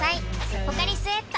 「ポカリスエット」